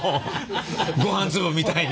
ごはん粒みたいに！